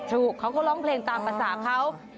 เขาก็ร้องเพลงตามภาษาเขา